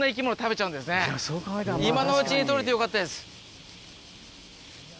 今のうちに取れてよかったです。